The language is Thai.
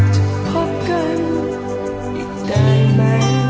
จะพบกันอีกได้ไหม